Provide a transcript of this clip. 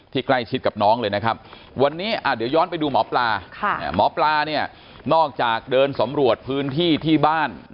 ใกล้ชิดกับน้องเลยนะครับวันนี้เดี๋ยวย้อนไปดูหมอปลาหมอปลาเนี่ยนอกจากเดินสำรวจพื้นที่ที่บ้าน